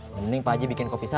mending pak haji bikin kopi sapi